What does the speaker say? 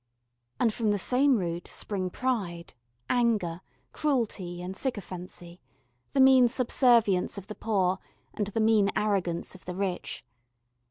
And from the same root spring pride, anger, cruelty, and sycophancy, the mean subservience of the poor and the mean arrogance of the rich.